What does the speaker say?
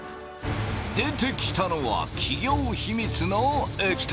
出てきたのは企業秘密の液体。